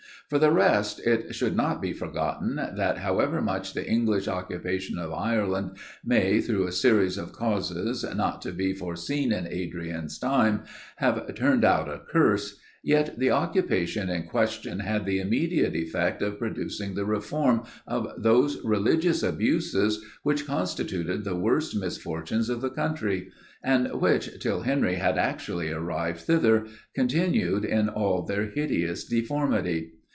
For the rest, it should not be forgotten, that, however much the English occupation of Ireland may, through a series of causes, not to be foreseen in Adrian's time, have turned out a curse; yet the occupation in question had the immediate effect of producing the reform of those religious abuses, which constituted the worst misfortunes of the country, and which, till Henry had actually arrived thither, continued in all their hideous deformity.